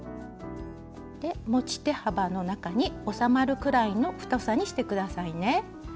で持ち手幅の中に収まるくらいの太さにして下さいね。